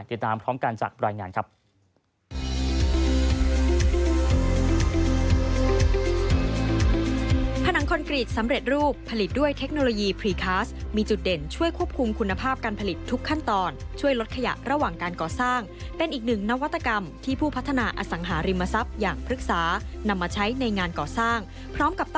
ติดตามพร้อมกันจากรายงานครับ